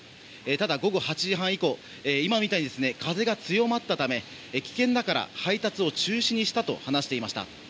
ただ午後８時半以降今みたいに風が強まったため危険だから配達を中止にしたと話していました。